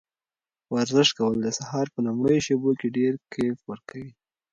ورزش کول د سهار په لومړیو شېبو کې ډېر کیف ورکوي.